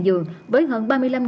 đang trở thành bệnh viện